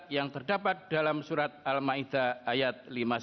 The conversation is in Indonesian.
yang terdapat dalam surat al ma'idah ayat lima puluh satu